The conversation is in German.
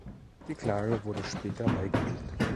Die Klage wurde später beigelegt.